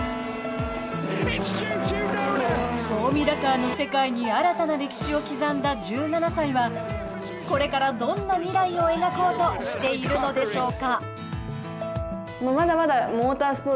フォーミュラカーの世界に新たな歴史を刻んだ１７歳はこれから、どんな未来を描こうとしているのでしょうか。